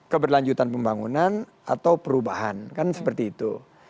keberlanjutan pembangunan atau perubahan kan seperti itu